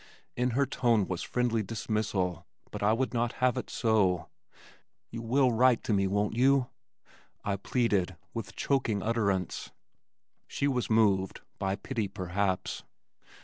In her tone was friendly dismissal, but I would not have it so. "You will write to me, won't you?" I pleaded with choking utterance. She was moved (by pity perhaps).